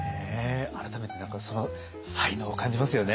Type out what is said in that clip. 改めて何かその才能を感じますよね。